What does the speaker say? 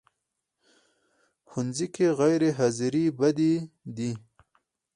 ښوونځی کې غیر حاضرې بدې دي